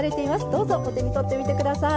どうぞお手に取ってみてください。